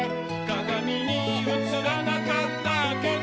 「かがみにうつらなかったけど」